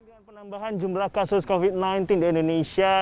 dengan penambahan jumlah kasus covid sembilan belas di indonesia